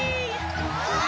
うわ！